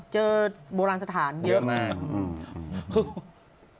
เจอโบราณสถานเยอะมาก